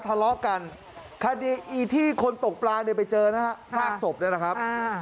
ทะเลาะกันคดีที่คนตกปลาในไว้เจอภาคศพนะครับ